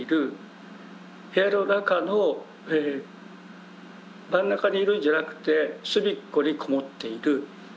部屋の中の真ん中にいるんじゃなくて隅っこに籠もっている。